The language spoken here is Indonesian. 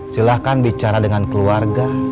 silahkan bicara dengan keluarga